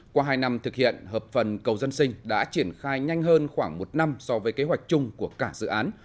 qua hai năm thực hiện hợp phần cầu dân sinh đã triển khai nhanh hơn khoảng một năm so với kế hoạch chung của cả dự án